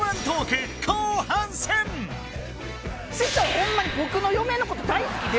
師匠ホンマに僕の嫁のこと大好きで